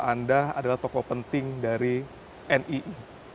anda adalah tokoh penting dari nii